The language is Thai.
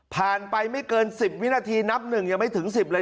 ไปไม่เกิน๑๐วินาทีนับหนึ่งยังไม่ถึง๑๐เลย